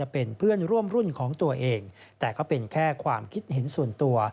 เป็นเพื่อนร่วมรุ่นของตัวเองแต่ก็เป็นแค่ความคิดเห็นส่วนตัว